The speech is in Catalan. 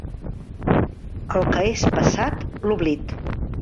Al que és passat, l'oblit.